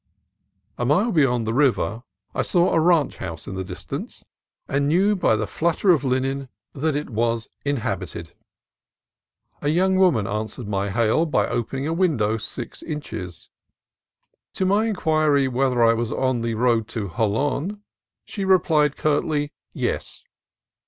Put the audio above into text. A mile beyond the river I saw a ranch house in the distance, and knew by a flutter of linen that it was 1 80 CALIFORNIA COAST TRAILS inhabited. A young woman answered my hail by opening a window six inches. To my inquiry whether I was on the road to Jolon, she replied curtly, " Yes."